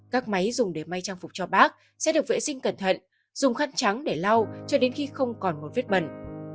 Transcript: các máy dùng để may trang phục cho bác sẽ được vệ sinh cẩn thận dùng khăn trắng để lau cho đến khi không còn một vết bẩn